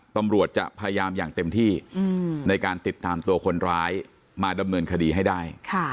ตำรวจจะพยายามอย่างเต็มที่ในการติดตามตัวคนร้ายมาดำเนินคดีให้ได้